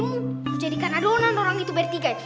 menjadikan adonan orang itu bertiga